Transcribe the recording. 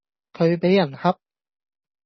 佢畀人恰